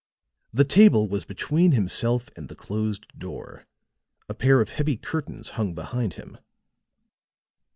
The table was between himself and the closed door; a pair of heavy curtains hung behind him.